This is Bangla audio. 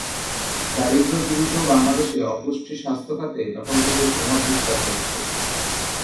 দারিদ্র-পীড়িত বাংলাদেশে অপুষ্টি স্বাস্থ্য খাতে ব্যাপকভাবে প্রভাব বিস্তার করেছে।